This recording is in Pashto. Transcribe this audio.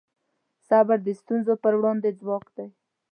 صبر د ستونزو پر وړاندې ځواک دی.